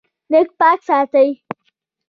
نیت پاک ساتئ